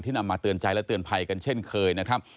นำมาเตือนใจและเตือนภัยกันเช่นเคยนะครับ